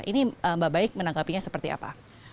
ini mbak baik menanggapinya seperti apa